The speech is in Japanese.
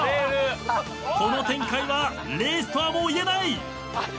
この展開はレースとはもう言えない。